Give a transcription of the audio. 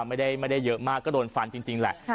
ไม่ได้เยอะมากก็โดนฟันจริงแหละ